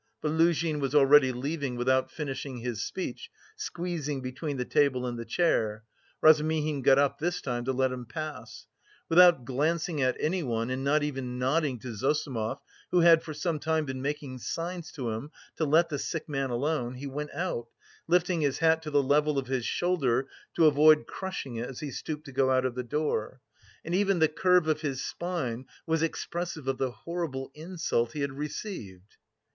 But Luzhin was already leaving without finishing his speech, squeezing between the table and the chair; Razumihin got up this time to let him pass. Without glancing at anyone, and not even nodding to Zossimov, who had for some time been making signs to him to let the sick man alone, he went out, lifting his hat to the level of his shoulders to avoid crushing it as he stooped to go out of the door. And even the curve of his spine was expressive of the horrible insult he had received.